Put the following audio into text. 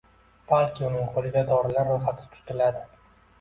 balki uning qo‘liga dorilar ro‘yxati tutiladi.